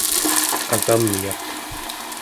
agamyak